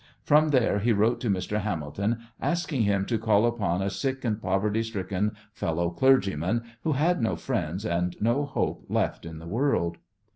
From there he wrote to Mr. Hamilton asking him to call upon a sick and poverty stricken fellow clergyman, who had no friends and no hope left in this world.